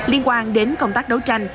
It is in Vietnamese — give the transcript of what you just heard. liên quan đến công tác đấu tranh